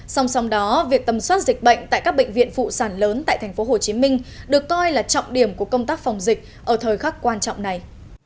song song đó việc tầm soát dịch bệnh tại các bệnh viện phụ sản lớn tại tp hcm được coi là trọng điểm của công tác phòng dịch ở thời khắc quan trọng này